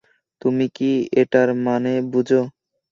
তুমি কি এটার মানে বুঝো?